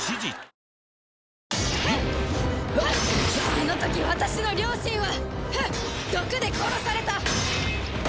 あの時私の両親は毒で殺された！